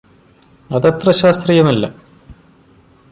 അതത്ര ശാസ്ത്രീയമല്ല